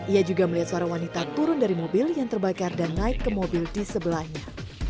ia juga melihat seorang wanita turun dari mobil yang terbakar dan naik ke mobil di sebelahnya